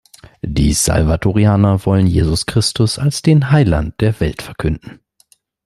Die Salvatorianer wollen Jesus Christus als den Heiland der Welt verkünden.